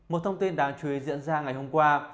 một thông tin đáng chú ý diễn ra ngày hôm qua